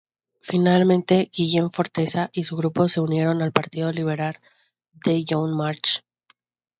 Finalmente Guillem Forteza y su grupo se unieron al Partido Liberal de Joan March.